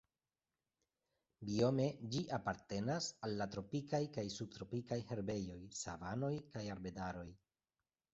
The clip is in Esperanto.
Biome ĝi apartenas al la tropikaj kaj subtropikaj herbejoj, savanoj kaj arbedaroj.